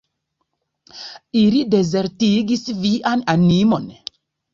Ili dezertigis vian animon!